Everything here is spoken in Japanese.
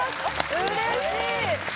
うれしい！